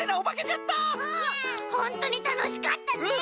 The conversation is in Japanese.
ほんとにたのしかったね！